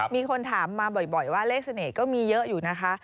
มีคนถามมาบ่อยว่าเลขเสน่ห์ก็มีเยอะอยู่นะคะ